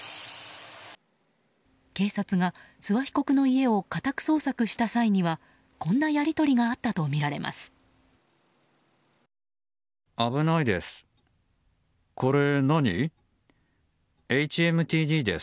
警察が諏訪被告の家を家宅捜索した際にはこんなやり取りがあったとみられます。